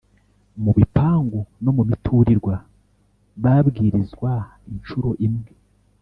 Mu bipangu no mu miturirwa babwirizwa i ncuro imwe